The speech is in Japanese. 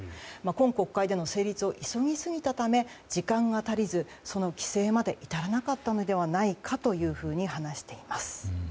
今国会での成立を急ぎすぎたため時間が足りずその規制まで至らなかったのではというふうに話しています。